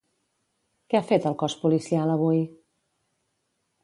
Què ha fet el cos policial avui?